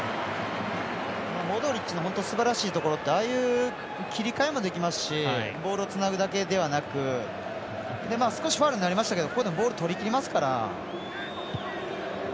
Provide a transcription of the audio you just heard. モドリッチのすばらしいところってああいう切り替えもできますしボールをつなぐだけではなく少しファウルになりましたけどボール取りきりますから。